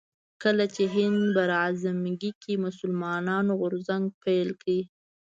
کله چې هند براعظمګي کې مسلمانانو غورځنګ پيل کړ